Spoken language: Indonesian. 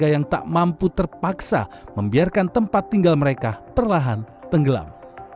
yang tak mampu terpaksa membiarkan tempat tinggal mereka perlahan tenggelam